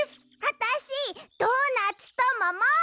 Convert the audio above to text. あたしドーナツともも！